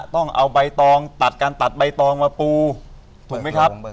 ต้องเอาใบตองตัดการตัดใบตองมาปูถูกไหมครับ